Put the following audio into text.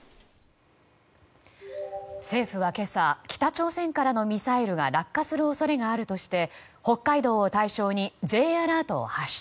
政府は今朝北朝鮮からのミサイルが落下する恐れがあるとして北海道を対象にＪアラートを発出。